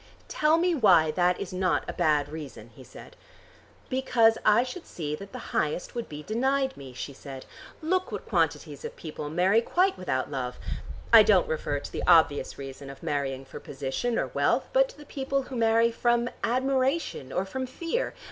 "Tell me why that is not a bad reason," he said. "Because I should see that the highest would be denied me," she said. "Look what quantities of people marry quite without love. I don't refer to the obvious reason of marrying for position or wealth, but to the people who marry from admiration or from fear.